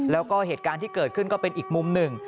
แล้วก็เหตุการณ์ที่เกิดขึ้นก็เป็นอีกมุมหนึ่ง